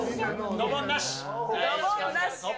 ドボンなし。